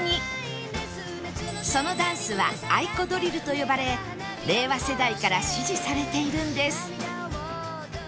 そのダンスは ａｉｋｏ ドリルと呼ばれ令和世代から支持されているんです